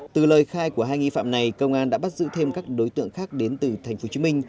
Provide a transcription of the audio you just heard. từ lời khai của hai nghi phạm này công an đã bắt giữ thêm các đối tượng khác đến từ thành phố hồ chí minh